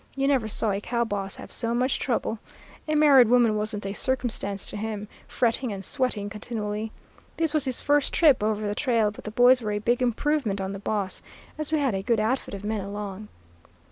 You never saw a cow boss have so much trouble; a married woman wasn't a circumstance to him, fretting and sweating continually. This was his first trip over the trail, but the boys were a big improvement on the boss, as we had a good outfit of men along.